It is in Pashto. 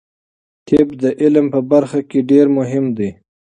طب د علم په برخه کې ډیر مهم دی.